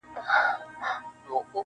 قېمتي جامي په غاړه سر تر پایه وو سِنکار.